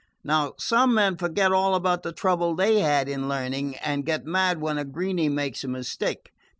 Now some men forget all about the trouble they had in learning, and get mad when a greeny makes a mistake.